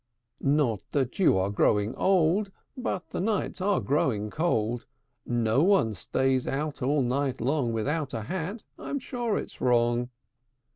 III. "Not that you are growing old; But the nights are growing cold. No one stays out all night long Without a hat: I'm sure it's wrong!"